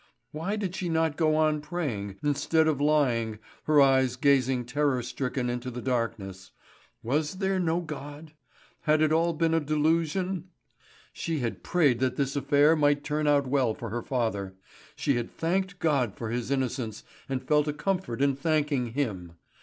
Why did she not go on praying, instead of lying, her eyes gazing terror stricken into the darkness. Was there no God? Had it all been a delusion? She had prayed that this affair might turn out well for her father. She had thanked God for his innocence, and felt a comfort in thanking Him.